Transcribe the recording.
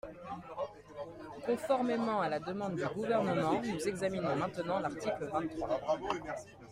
Conformément à la demande du Gouvernement, nous examinons maintenant l’article vingt-trois.